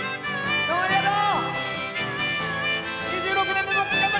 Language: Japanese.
どうもありがとう！